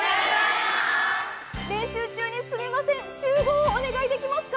練習中にすみません、集合をお願いできますか？